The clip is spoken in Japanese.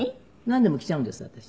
なんでも着ちゃうんです私。